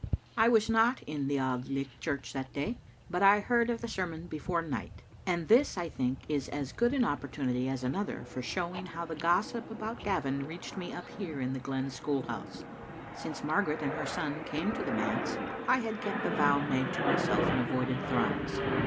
I was not in the Auld Licht church that day, but I heard of the sermon before night, and this, I think, is as good an opportunity as another for showing how the gossip about Gavin reached me up here in the Glen school house. Since Margaret and her son came to the manse I had kept the vow made to myself and avoided Thrums.